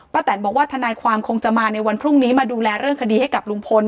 แตนบอกว่าทนายความคงจะมาในวันพรุ่งนี้มาดูแลเรื่องคดีให้กับลุงพล